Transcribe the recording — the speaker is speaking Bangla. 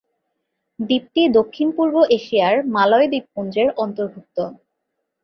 দ্বীপটি দক্ষিণ-পূর্ব এশিয়ার মালয় দ্বীপপুঞ্জের অন্তর্ভুক্ত।